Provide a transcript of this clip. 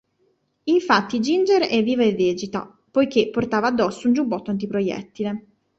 Infatti Ginger è viva e vegeta poiché portava addosso un giubbotto antiproiettile.